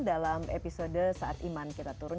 dalam episode saat iman kita turun